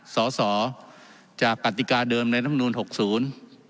สอสอจากปฏิกาเดิมในน้ำนูน๖๐